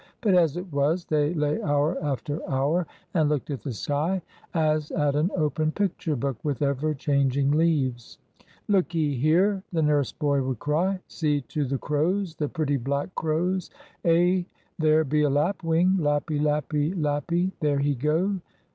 But as it was, they lay hour after hour and looked at the sky, as at an open picture book with ever changing leaves. "Look 'ee here!" the nurse boy would cry. "See to the crows, the pretty black crows! Eh, there be a lapwing! Lap py, lap py, lap py, there he go!